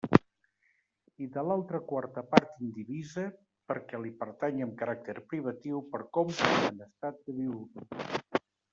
I de l'altra quarta part indivisa, perquè li pertany amb caràcter privatiu per compra en estat de viudo.